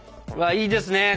うわいいですね。